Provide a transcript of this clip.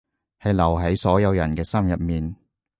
係留喺所有人嘅心入面